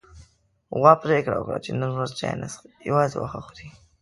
غوا پرېکړه وکړه چې نن ورځ چای نه څښي، يوازې واښه خوري.